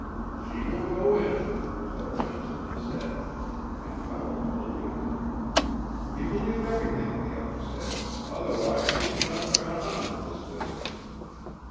"She will go in," Beau Johnson had said, and Fellows believed him. He believed everything the other said, otherwise he could not have gone on with this business.